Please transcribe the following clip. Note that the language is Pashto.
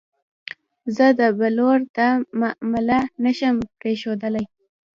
زه د پلور دا معامله نه شم پرېښودلی.